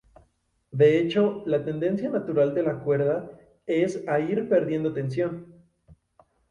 De hecho, la tendencia natural de la cuerda es a ir perdiendo tensión.